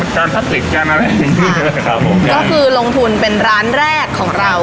กสัสโน้คือลงทุนเป็นร้านแรกของเรา